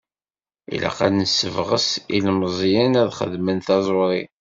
Ilaq ad nessebɣes ilmeẓyen ad xedmen taẓuri.